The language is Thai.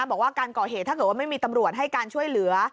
บอกว่าการก่อเหตุถ้าเกิดว่าไม่มีตำรวจให้การช่วยเหลือ